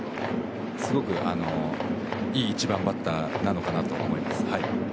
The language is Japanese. すごくいい１番バッターなのかなと思います。